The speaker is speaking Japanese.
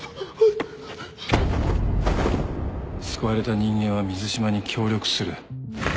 救われた人間は水島に協力する。